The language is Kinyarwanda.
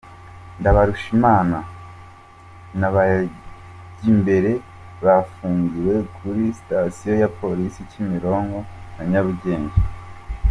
Ndabarushimana na Bajyimbere bafungiwe kuri sitasiyo ya Polisi ya Kimironko na Nyarugenge.